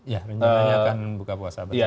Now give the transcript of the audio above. ya menjelaskan buka puasa bersama